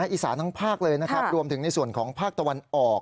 อีสานทั้งภาคเลยนะครับรวมถึงในส่วนของภาคตะวันออก